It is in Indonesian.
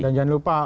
dan jangan lupa